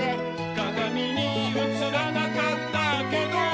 「かがみにうつらなかったけど」